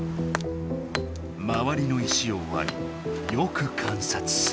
まわりの石をわりよく観察する。